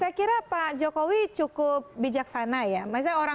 saya kira pak jokowi cukup bijaksana ya